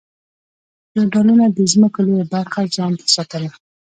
فیوډالانو د ځمکو لویه برخه ځان ته ساتله.